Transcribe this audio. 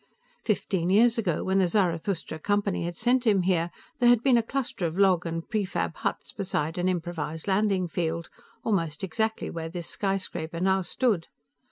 Fifteen years ago, when the Zarathustra Company had sent him here, there had been a cluster of log and prefab huts beside an improvised landing field, almost exactly where this skyscraper now stood.